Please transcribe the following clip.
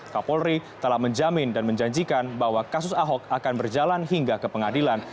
kapolri telah menjamin dan menjanjikan bahwa kasus ahok akan berjalan hingga ke pengadilan